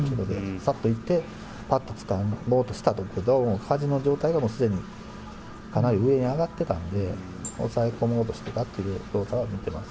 さっと行って、ぱっとつかもうとしたけど、どうもかじの状態がもうすでにかなり上に上がってたんで、押さえ込もうとしてたっていう状態を見てます。